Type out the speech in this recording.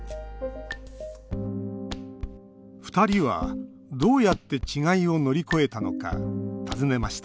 ふたりは、どうやって違いを乗り越えたのか尋ねました